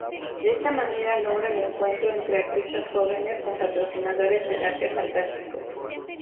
De esta manera logra el encuentro entre artistas jóvenes con patrocinadores del Arte Fantástico.